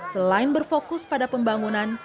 selain berfokus pada pembangunan